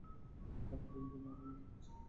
তারা দিন দিন আরো উন্নতি করছে।